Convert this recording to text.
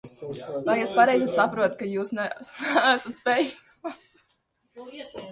Vai es pareizi saprotu, ka jūs neesat spējīgs masturbēt?